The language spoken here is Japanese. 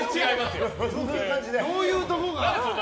どういうところが？